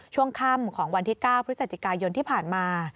ช่วงค่ำของวันที่๙พฤศจิกายนที่ผ่านมา